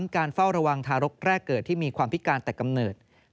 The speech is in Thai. การเฝ้าระวังทารกแรกเกิดที่มีความพิการแต่กำเนิด